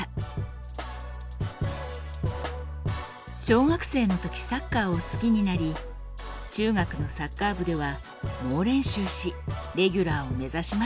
小学生の時サッカーを好きになり中学のサッカー部では猛練習しレギュラーを目指しましたが。